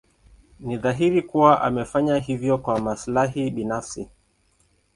Ni dhahiri kuwa amefanya hivyo kwa maslahi binafsi.